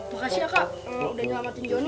makasih ya kak udah nyelamatin john